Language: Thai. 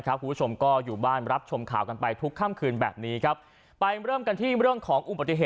คุณผู้ชมก็อยู่บ้านรับชมข่าวกันไปทุกค่ำคืนแบบนี้ครับไปเริ่มกันที่เรื่องของอุบัติเหตุ